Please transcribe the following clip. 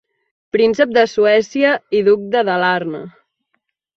"Príncep de Suècia" i "Duc de Dalarna".